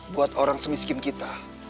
buat orang semiskin kita